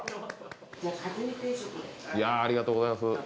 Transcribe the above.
いやあありがとうございます。